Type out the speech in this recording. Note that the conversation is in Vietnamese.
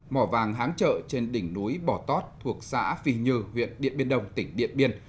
mỏ vàng háng trợ trên đỉnh núi bò tót thuộc xã phi như huyện điện biên đông tỉnh điện biên